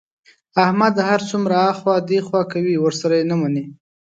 احمد هر څومره ایخوا دیخوا کوي، ورسره یې نه مني.